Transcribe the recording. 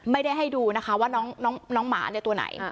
ไม่ได้ให้ดูนะคะว่าน้องน้องน้องน้องหมาเนี่ยตัวไหน